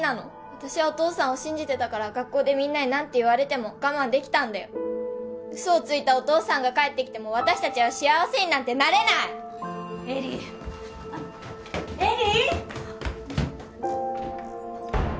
私はお父さんを信じてたから学校で何言われても我慢できたの嘘をついたお父さんが帰っても私達は幸せになれない・恵里恵里！